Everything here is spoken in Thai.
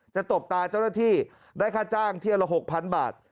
ตบตาเจ้าหน้าที่ได้ค่าจ้างเที่ยวละ๖๐๐๐บาท